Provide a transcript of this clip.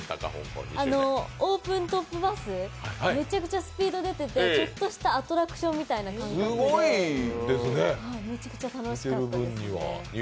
オープントップバス、めちゃくちゃスピード出てて、ちょっとしたアトラクションみたいな感じで、めちゃくちゃ楽しかったですね。